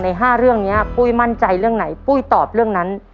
๕เรื่องนี้ปุ้ยมั่นใจเรื่องไหนปุ้ยตอบเรื่องนั้น